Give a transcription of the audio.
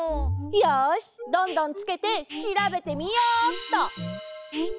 よしどんどんつけてしらべてみようっと！